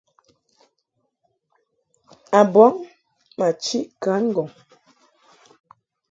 A bɔŋ ma chiʼ kan ŋgɔŋ.